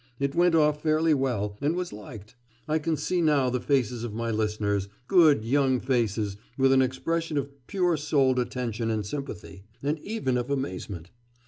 It went off fairly well, and was liked. I can see now the faces of my listeners good young faces, with an expression of pure souled attention and sympathy, and even of amazement.